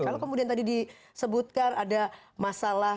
kalau kemudian tadi disebutkan ada masalah